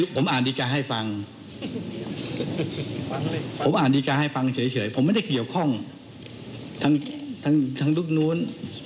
ผมอ่านดีการให้ฟังเฉยผมไม่ได้เกี่ยวข้องทั้งทุกนู้น